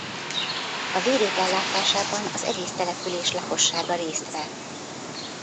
A védők ellátásában az egész település lakossága részt vett.